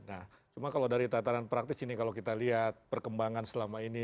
nah cuma kalau dari tataran praktis ini kalau kita lihat perkembangan selama ini